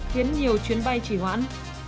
khiến nhiều chuyến bay chỉ hoãn